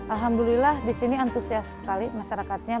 alhamdulillah disini antusias sekali masyarakatnya